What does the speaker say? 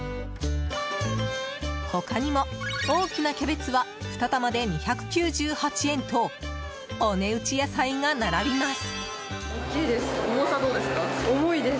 他にも、大きなキャベツは２玉で２９８円とお値打ち野菜が並びます。